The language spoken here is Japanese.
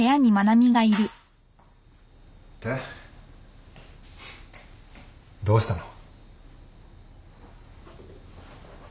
でどうしたの？